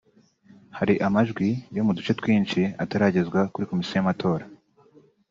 Hari amajwi yo mu duce twinshi ataragezwa kuri Komisiyo y’amatora